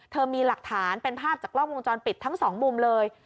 มีหลักฐานเป็นภาพจากกล้องวงจรปิดทั้งสองมุมเลย